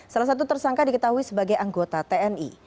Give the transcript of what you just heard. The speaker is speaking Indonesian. salah satu tersangka diketahui sebagai anggota tni